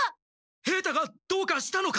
平太がどうかしたのか！？